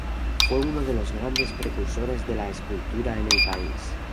Fue uno de los grandes precursores de la escultura en el país.